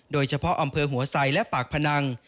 โดยเฉพาะอำเภอหัวไซและปากพนัง